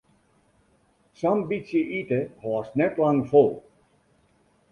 Sa'n bytsje ite hâldst net lang fol.